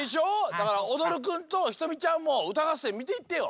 だからおどるくんとひとみちゃんもうたがっせんみていってよ。